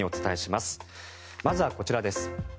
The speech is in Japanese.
まずはこちらです。